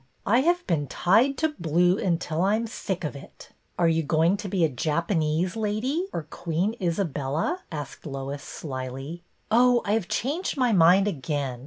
I have been tied to blue until I am sick of it." "Are you going to be a Japanese lady or Queen Isabella.'*" asked Lois, slyly. " Oh, I have changed my mind again.